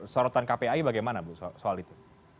sorotan kpai bagaimana bu soal itu